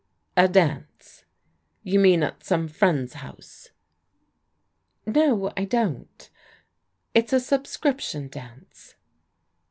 A dance? You mean at some friend's house? " No, I don't. It's a subscription dance."